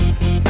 ya itu dia